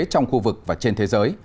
trong khu vực và trên thế giới